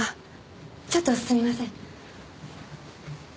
ちょっとすみません。